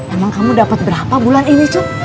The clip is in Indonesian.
emang kamu dapet berapa bulan ini cu